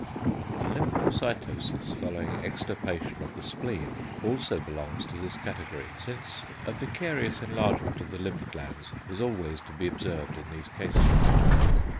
The lymphocytosis following extirpation of the spleen also belongs to this category, since a vicarious enlargement of the lymph glands is always to be observed in these cases.